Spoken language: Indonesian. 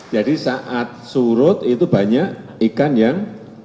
jadi saat surut itu banyak ikan yang